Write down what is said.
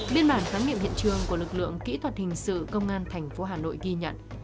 biên bản kháng nghiệm hiện trường của lực lượng kỹ thuật hình sự công an thành phố hà nội ghi nhận